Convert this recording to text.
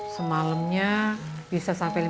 semalemnya bisa sampai